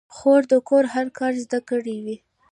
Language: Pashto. خور د کور هر کار زده کړی وي.